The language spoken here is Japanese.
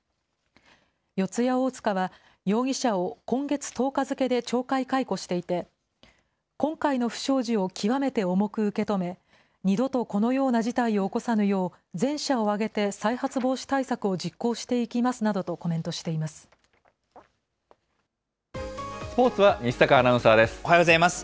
四谷大塚は、容疑者を今月１０日付で懲戒解雇していて、今回の不祥事を極めて重く受け止め、二度とこのような事態を起こさぬよう、全社を挙げて再発防止対策を実行していきますなどとコメントしてスポーツは西阪アナウンサーおはようございます。